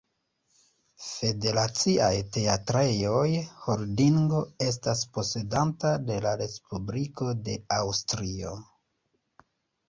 Federaciaj Teatrejoj-Holdingo estas posedanta de la Respubliko de Aŭstrio.